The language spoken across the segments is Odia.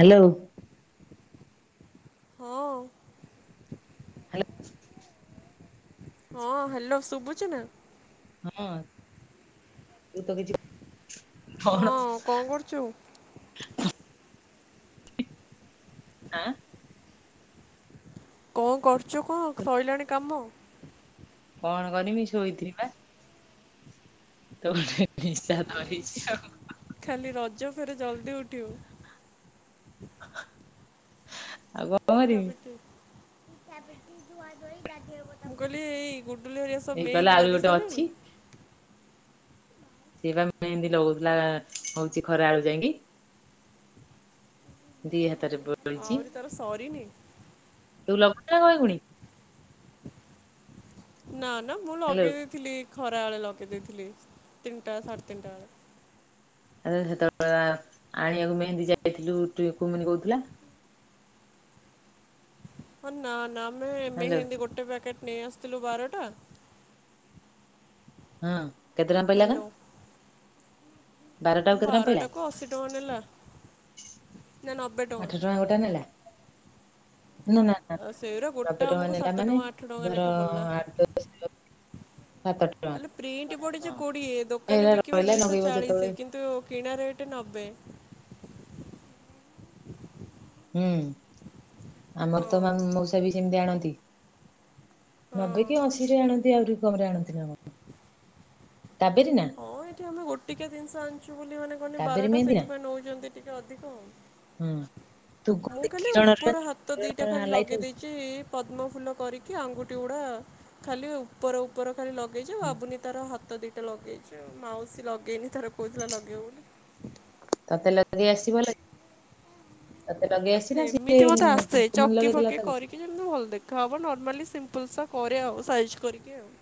ହାଲୋ। ହୋ। ହ୍ୟାଲୋ। ହଁ ହ୍ୟାଲୋ ଶୁଭୁଛି ନା? ହଁ ତୁ ତ କିଛି କଣ? ହଁ କଣ କରୁଛୁ? ଆଁ, କଣ କରୁଚ କଣ ସଇଲାଣି କାମ? କଣ କରମି ଶୋଇଥିଲି ପା। ତ ନିଶା ଧରିଚି ଆଉ। ଖାଲି ରଜ ଫେର ଜଲଦି ଉଠିବୁ। ଆଉ କ ପିଠା ପିଠି ମୁଁ କହିଲି ଏଇ ଗୁଡୁଲି ହେରିକା ସବୁ ଏଇ କହିଲା ମେହେନ୍ଦି ଆହୁରି ଗୋଟେ ଲଗେଇସାରିଲେଣି? ଅଛି ସିଏ ପା ମେହେନ୍ଦି ଲଗଉଥିଲା ହଉଚି ଖରାବେଳୁ ଯାଇକି। ଦି ହାତରେ ବୁ ଆଉରି ତାର ସରିିନି। ତୁ ଲଗୁଚ ନା କଣ ଏଖୁଣି? ନା ନା ମୁଁ ହ୍ୟାଲୋ ଲଗେଇ ଦେଇଥିଲି, ଖରା ବେଳେ ଲଗେଇ ଦେଇଥିଲି। ତିନିଟା ସାଢ଼େ ତିନିଟା ବେଳେ। ଆରେ ସେତେବେଳେ [inaudible] ଆଣିବାକୁ ମେହେନ୍ଦୀ ଯାଇଥିଲୁ ଟୁଇ କୁମିନି କହୁଥିଲା। ହଁ ନା ନା ଆମେ ହ୍ୟାଲୋ ମେହେନ୍ଦୀ ଗୋଟେ ପ୍ୟାକେଟ୍ ନେଇ ଆସିଥିଲୁ ବାରଟା। ହଁ କେତେ ଟଙ୍କା ପଇଲା କଣ? କେତେ ଟଙ୍କା ପଇଲା ବାରଟା କୁ ଅଶୀ ଟଙ୍କା ନେଲା। ନା ନବ ଆଠ ଟଙ୍କା ଗୋଟା ନେଲା, ନା ନା ଆଉ ସେଇରା ନବେ ଗୋଟା ଟଙ୍କା ଆମକୁ ନେଲା ସାତ ମାନେ ଟଙ୍କା ଆଠ ଟଙ୍କା ଧର ଲେଖା ପଡିଲା। ଆଠ ଦଶ ସାତ ଆଲୋ ପ୍ରିଣ୍ଟ ଟଙ୍କା ପଡିଚି କୋଡିଏ ଦୋକାନୀ ଏଇରା ବିକିବେ ରହିଲା ଦୁଇଶହ ନଗେଇବ ଯେତେବେଳେ ଚାଳିଶ କିନ୍ତୁ କିଣା ରେଟ୍ ନବେ। ହୁଁ ହଁ ଆମର ତ ମା ମଉସା ବି ସେମିତି ଆଣନ୍ତି। ହଁ। ନବେ କି ଅଶୀରେ ଆଣନ୍ତି ଆହୁରି କମରେ ଆଣନ୍ତି ନାକଣ। ହଁ ଏଠି ଆମେ ଗୋଟିକିଆ ଜିନିଷ ଆଣିଚୁ ବୋଲି ମାନେ କହନି କାବେରୀ ବାରଟା ସେଥିପାଇଁ ନଉଚନ୍ତି ଟିକେ ଅଧିକ ଆଉ। ହୁଁ ତୁ ମୁଁ [inaudible] କି ପଦ୍ମଫୁଲ କରିକି ଆଙ୍ଗୁଠି ଗୁଡ଼ା ଖାଲି ଉପର ଉପର ଖାଲି ଲଗ ଲଗେଇଚି ଭାବୁନି ତାର ହାତ ଦିଇଟା ଲଗେଇଚି ଆଉ ମାଉସୀ ଲଗେଇନି ତାର କହୁଥିଲା ଲଗେଇବ ବୋଲି। ତତେ ଲଗେଇଦେଇ ଆସିଚି ଭଲକି? ତତେ ଲଗେଇ ଆସିଚି ନା ସେମିତି ମତେ ଆସେ ସିଏ କୁମୁନି ଚକି ଲଗେଇଦେଲା ଫକି ତାକୁ। କରିକି ଯେମିତି ଭଲ ଦେଖାହବ ନର୍ମାଲି ସିମ୍ପଲସା କରେ ଆଉ ସାଇଜ୍ କରିକି ଆଉ।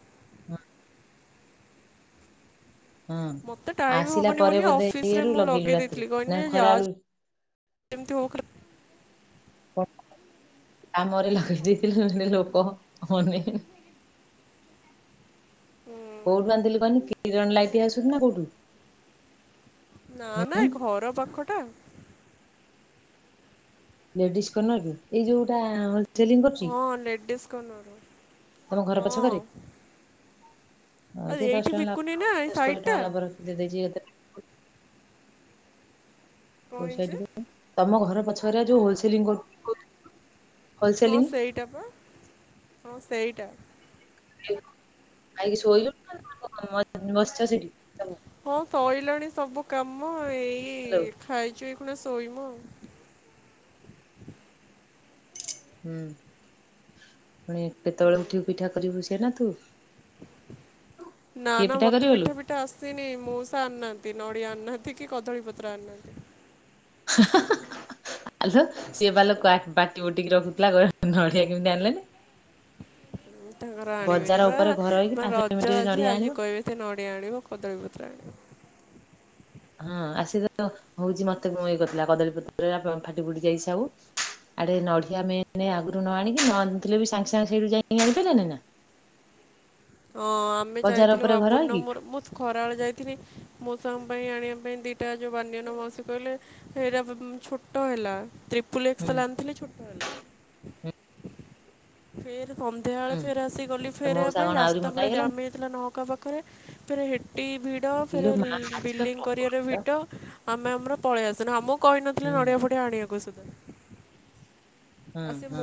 ହଁ। ମତେ ଟାଇମ ଆସିଲା ହବନି ପରେ ବୋଲି ବୋଧେ ଅଫିସରେ ଇଏରୁ ମୁଁ ଲଗେଇଲୁ ଲଗେଇ ରାତିରେ ଦେଇଥିଲି କହିଲି ନା ନାଇଁ ଖରା ଯାଜ ବେଳୁ ଏମିତି ହଉ। [inaudible] କାମରେ ଲଗେଇ ଦେଇଥିଲୁ ଏଇନେ ଲୋକ ଅନେଇନୁ ହୁଁ। କୋଉଠୁ ଆନିଥିଲୁ କହନି କିରଣ ଲାଇଟି ହାଉସ୍ ରୁ ନା କୋଉଠୁ? ନା ନା ଏ ଘର ପାଖ ଟା। ଲେଡ଼ିସ୍ କର୍ଣ୍ଣର ରୁ। ଓ ଲେଡିସ କର୍ଣ୍ଣରରୁ। ତମ ଘର ପଛ କରେ। ହଁ ଆଉ ସେ ଦଶ ଏଇଠି ଟଙ୍କା ବିକୁନି ଲାଭ ନା ଏଇ ଦଶ କୋଡିଏ ସାଇଟଟା ଟଙ୍କା ଲାଭ ରଖିତେ ଦେଇଚି କଣ କଉ ହେଇଚି? ସାଇଟ କହିଲୁ ତମ ଘର ପଛରେ ଯୋଉ ହୋଲସେଲିଙ୍ଗ କରୁ ହଁ ହୋଲସେଲିଂ ସେଇଟା ପା ହଁ ସେଇଟା। ଖାଇକି ଶୋଇଲୁଣି ନା ବସିଚ ସେଠି? ହ୍ୟାଲୋ ହଁ ସଇଲାଣି ସବୁ କାମ ଏଇ ଖାଇଚୁ ଏଇଖୁଣା ଶୋଇବୁ ଆଉ। ହୁଁ ପୁଣି କେତେବେଳେ ଉଠିବୁ ପିଠା କରିବୁ ସେନା ତୁ? ନା କିଏ ନା ମତେ କରିବଲୁ ପିଠା ପି ଠା ଆସିନି ମଉଷା ଆଣିନାହାଁନ୍ତି ନଡିଆ ଆଣିନାହାଁନ୍ତି କି କଦଳୀ ପତ୍ର ଆଣିନାହାନ୍ତି। ହ [inaudible] ଆଲୋ ସିଏ ପାଲୋ ବାଟି ବୁଟିକି ରଖୁଥିଲା କହିଲା ନଡିଆ କେମିତି ଆଣିଲାନି। ଉଁ ତାଙ୍କର ବଜାର ଆଣିବେନି ପା ଉପରେ ଘର ହେଇକି ନା ପାଞ୍ଚ ରଜ ମିନିଟ ଆଜି ନଡିଆ ଆଜି ଆଣିବ କହିବେ। ତେ ନଡ଼ିଆ ଆଣିବ କଦଳୀପତ୍ର ଆଣିବ। ହଁ ଆସି ତେ ହଉଛି ମତେ ଇଏ କରିଥିଲା କଦଳୀପତ୍ର ଫାଟି ଫୁଟି ଯାଇଛି ଆଉ। ଆଡ଼େ ନଡ଼ିିଆ ମେନ ଆଗରୁ ନ ଆଣିକି ନ ଆଣିଥିଲେ ବି ସାଙ୍ଗେ ସାଙ୍ଗେ ସେଇଠୁ ଯାଇକି ଆଣିପାରିଲେନି ନା। ହଁ ଆମେ ବଜାର ଯାଇଥିଲୁ ଉପରେ ଘର ବାବୁନିର ହେଇକି ମୋର ମୁଁ ଖରାବେେଳେ ଯାଇଥିଲି ମଉସା ଙ୍କ ପାଇଁ ଆଣିବା ପାଇଁ ଦି ଟା ଯୋଉ ବାନିଅନ ମାଉସି କହିଲେ ସେଇରା ଛୋଟ ହେଲା ତ୍ରିପୁଲ ହୁଁ ଏକ୍ସଲେ ଆଣିଥିଲେ ଛୋ ହୁଁ ଫେର ସନ୍ଧ୍ୟାବେଳେ ହୁଁ ଫେର ଆସି ଗଲି ତ ଫେରେଇବା ମଉସା ପାଇଁ କଣ ଆହୁରି ରାସ୍ତା ମୋଟା ପୁରା ହେଇଗଲାଣି ଜାମ୍ ହେଇଥିଲା ନହକା ପାଖରେ। ଫେରେ ହେଟି ଭିଡ ଇଲୋ ଫେରେ ମା ଆଜି ପା ବିଲଙ୍ଗ ପ୍ରବଳ କରିବାରେ ଭିଡ଼। ଭିଡ ଆମେ ଆମର ପଳେଇ ଆସିନୁ ଆମକୁ କହିନଥିଲେ ହୁଁ ନଡିଆ ଫଡିଆ ଆଣିବାକୁ ସୁଧା। ହୁଁ ହୁଁ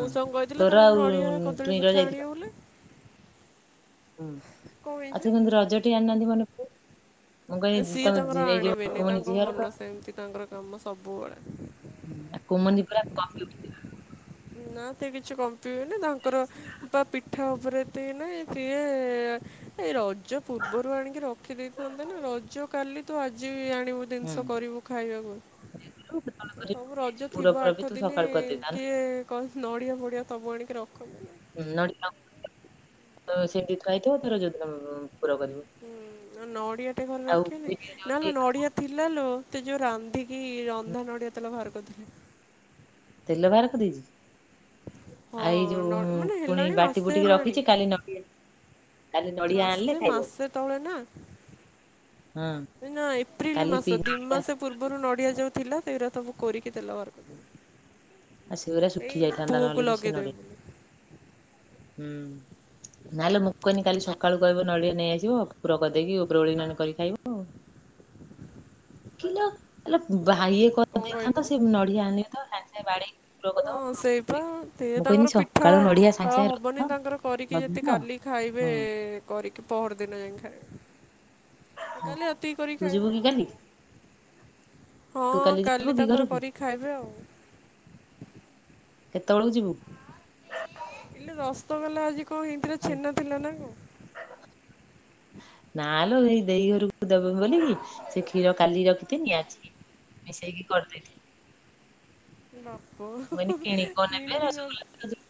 ତୋର ଟୁଇଙ୍କଲ ର ଯାଇଥିଲ? କିଉଲେ [inaudible] ହୁଁ ଆଉ ସେ କିନ୍ତି ରଜଟେ ଆଣିନାହାନ୍ତି ମନେପକେଇ। ଏ ସିଏ ତାଙ୍କର ଆଣିବେନି ତାଙ୍କ ଝିଅର ତ ମନ ସେମିତି ତାଙ୍କର କାମ ସବୁବେଳେ ହୁଁ କୁମନ୍ଦି ପୁରା କମ୍ପିଉଠି ନା ସେ କିଛି କମ୍ପିବେନି ତାଙ୍କର ବା ପିଠା ଉପରେ ଏତେ ଇଏ ନାହିଁ ସିଏ ଏଇ ରଜ ପୂର୍ବରୁ ଆଣିକି ରଖିଦେଇଥାନ୍ତେ ନା ରଜ କାଲି ତୁ ଆଜି ଆଣିବୁ ହୁଁ। ଜିନିଷ କରିବୁ ଖାଇବାକୁ କହିଲୁ କେତେବେଳେ ସେ କରିବୁ? ସବୁ ଏଇ ଯୋଉ ରଜ ପୁର ଥିବ ଫୁର ବି ଆଠ ତୁ ଦିନ ସକାଳୁ କରିଦେଇଥାନ୍ତୁ କିଏ କଣ ନଡିଆ ଫଡିଆ ସବୁ ଆଣିକି ରଖନ୍ତିନି। ନଡିଆ ସେମିତି ଥୁଆ ହେଇଥିବ ତାର ଯଉଦିନା ପୁର କରିବ। ହୁଁଯୋ ନଡ଼ିଆ ଟେ ଘରେ ରଖିବନି ବିରି ନଲେ ନଡିଆ ଥିଲା ଲୋ ତ ଯୋଉ ରାନ୍ଧିକି କି ଯୋଉ ରନ୍ଧା ନଡ଼ିଆ ତେଲ ବାହାର କରିଥିଲେ। ତେଲ ବାହାର କରି ଦେଇଚି? ହଁ ନର୍ ମାନେ ହେଲାଣି ମାସେ ହେଲାଣି। ଏଇନ ମାସେ ମାସେ ତଳେ ନା? ହଁ ଏ ନା ଏପ୍ରିଲ କାଲି ପି ମାସ ଦିି ନଡିଆ ମାସ ପୂର୍ବରୁ ନଡ଼ିଆ ଯଉଁ ଥିଲା ସେଇରା ତାକୁ ସବୁ କୋରିକି ତେଲ ବାହାର ଆଉ ସେଗୁରା କ ଶୁଖି ଏଇ ଯାଇଥାନ୍ତା ପୁଅକୁ ନହେଲେ ବି ସେ ନଡିଆ ଲଗେଇଦବୁ। ହୁଁ ନହେଲେ ମୁଁ କହିଲି କାଲି ସକାଳୁ କହିବ ନଡ଼ିଆ ନେଇଆସିବ। ପୁରର କରିଦେଇ କି ଉପରେ ଓଳି ନହେଲେ ଖାଇଲେ ଖାଇବ। କି ଲୋ ଆଲୋ ଭାଇଏ କଣ କହିଲୁ? କରିଦେଇଥାନ୍ତଆ ସେ ନଡିଆ ଆଣିକି ତ ସାଙ୍ଗେ ସାଙ୍ଗେ ବାଡେଇକି ପୁର ହଁ କରିଦବ ସେଇପା ସେ ମୁଁ କହିନି ତାଙ୍କର ପିଠା ସକାଳୁ ନଡିଆ ଅ ସାଙ୍ଗେ ସାଙ୍ଗେ ହବନି ରଖିଥାଅ ତାଙ୍କର କରିକି ଯଦି ରଖିଦିଅ। କାଲି ଖାଇବେ ହୁଁ କରିକି ପହର ଦିନ ଯାଇ ଖାଇବେ। ହୁଁ। କାଲି ରାତିକି କରି ତୁ ଯିବୁ ଖାଇବେ। କି କାଲି? ହଁ ତୁ ଯିବୁ କାଲି କି ତାଙ୍କର ଘରକୁ କରିକି ଖାଇବେ ଆଉ। କେତେବେଳକୁ ଯିବୁ? ଏ ଲୋ ରସୋଗଲା ଆଜି କଣ ହେଇଥିଲା ଛେନା ଥିଲା ନା କ? ନା ଲୋ ଏଇ ଦେଇ ଘରକୁ ଦେବ ବୋଲିକି ସେ କ୍ଷୀର କାଲି ରଖିଥିଲି ଆଜି ମିଶେଇକି କରିଦେଇଥିଲି। ମୁଁ କହିଲି ବାପ କିଣିକି କଣ ନେବ ନ ରସଗୋଲା ଆଜି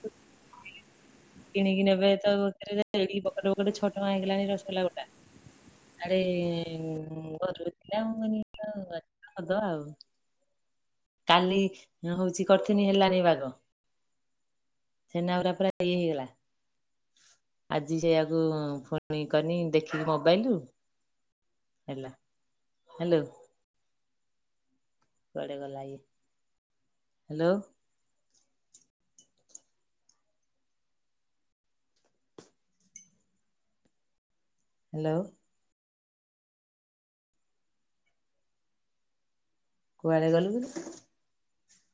କିଣିକି ନେବେ ତାକୁ ଏଡ଼ିକି ବକ ଗଟେ ଗୋଟେ ଛ ଟଙ୍କା ହେଇଗଲାଣି ରସଗୋଲା ଗୋଟା ୟାଡେ ଆଡ ଘରୁ ଥିଲା ମୁଁ କହିଲି କର ଦବା ଆଉ। କାଲି ହଉଚି କରିଥିନି ହେଲାନି ବାଗ। ଛେନା ଗୁଡ଼ାକ ପୁରା ଇଏ ହେଇଗଲା। ଆଜି ସେଆକୁ ଫୁଣି କରିନି ଦେଖିକି ମୋବାଇଲ ରୁ। ହେଲା ହାଲୋ। କଆଡେ ଗଲା ୟେ? ହାଲୋ। ହାଲୋ। କୁଆଡେ ଗଲୁ କି ତୁ?